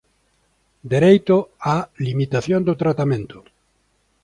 Dereito á limitación do tratamento.